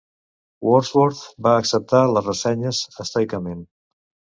Wordsworth va acceptar les ressenyes estoicament.